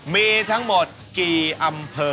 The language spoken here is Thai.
มีทั้งหมดกี่อำเภอ